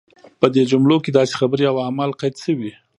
په دې جملو کې داسې خبرې او اعمال قید شوي.